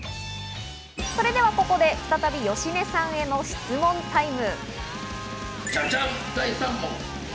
それではここで再び芳根さんへの質問タイム。